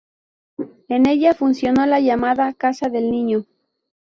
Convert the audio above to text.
En ella funcionó la llamada "Casa del Niño".